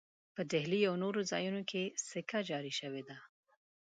په ډهلي او نورو ځایونو کې سکه جاري شوې ده.